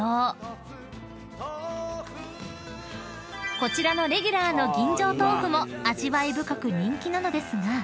［こちらのレギュラーの吟醸とうふも味わい深く人気なのですが］